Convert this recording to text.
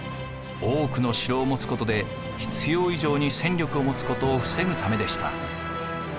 多くの城を持つことで必要以上に戦力を持つことを防ぐためでした。